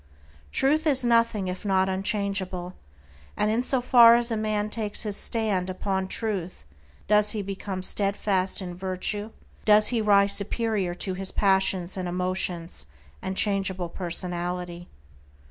Truth is nothing if not unchangeable, and in so far as a man takes his stand upon Truth does he become steadfast in virtue, does he rise superior to his passions and emotions and changeable personality.